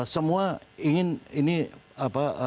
semua ingin ini apa